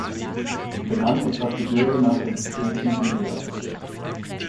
Benannt ist das Gebirge nach dem Propheten Elias.